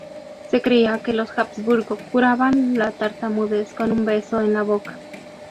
Se creía que los Habsburgo curaban la tartamudez con un beso en la boca.